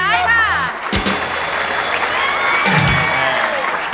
ใช่ครับ